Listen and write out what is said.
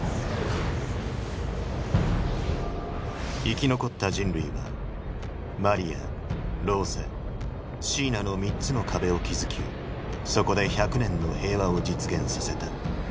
生き残った人類は「マリア」「ローゼ」「シーナ」の３つの壁を築きそこで１００年の平和を実現させた。